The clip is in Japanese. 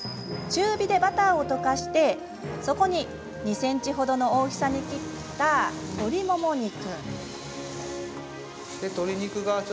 中火でバターを溶かしてそこに２ｃｍほどの大きさに切った鶏もも肉。